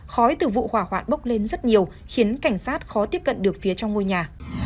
khói từ vụ hỏa hoạn bốc lên rất nhiều khiến cảnh sát khó tiếp cận được phía trong ngôi nhà